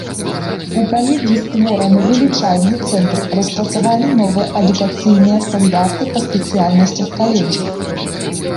У каледжы створаны вылічальны цэнтр, распрацаваны новыя адукацыйныя стандарты па спецыяльнасцях каледжа.